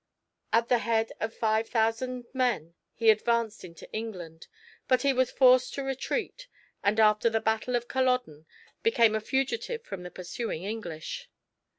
At the head of five thousand men he advanced into England, but he was forced to retreat, and after the battle of Culloden became a fugitive from the pursuing English.